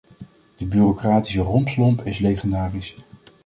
De bureaucratische rompslomp is legendarisch.